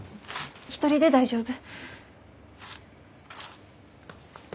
一人で大丈夫。